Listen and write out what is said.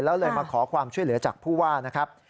แล้วเลยมาขอความช่วยเหลือจากผู้ว่านะครับ